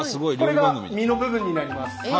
これが身の部分になります。